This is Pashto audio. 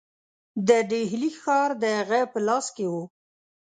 د ډهلي ښار د هغه په لاس کې وو.